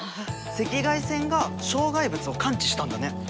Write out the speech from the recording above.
赤外線が障害物を感知したんだね。